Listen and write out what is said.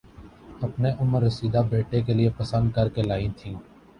اپنے عمر رسیدہ بیٹے کےلیے پسند کرکے لائی تھیں